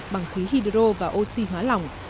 bằng khí hydro và oxy hóa lỏng